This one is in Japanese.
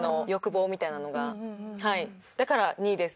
だから２です。